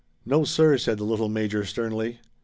"No, sir," said the little major sternly.